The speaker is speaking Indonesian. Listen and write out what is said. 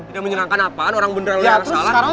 tidak menyerangkan apaan orang beneran lu yang salah